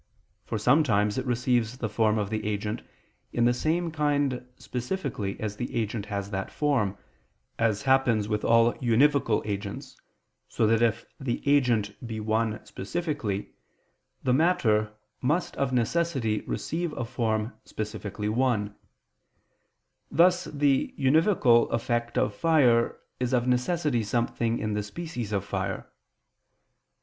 For sometimes it receives the form of the agent, in the same kind specifically as the agent has that form, as happens with all univocal agents, so that if the agent be one specifically, the matter must of necessity receive a form specifically one: thus the univocal effect of fire is of necessity something in the species of fire.